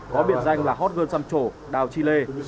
có biệt danh là hot girl xăm chổ đào chi lê